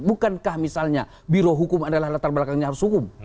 bukankah misalnya biro hukum adalah latar belakangnya harus hukum